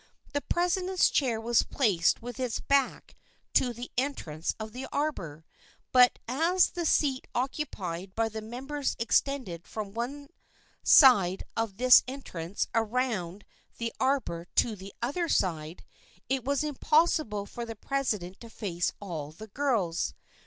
The president's chair was placed with its back to the entrance of the arbor, but as the seat occupied by the members extended from one side of this entrance around the arbor to the other side, it was impossible for the president to face all of the girls.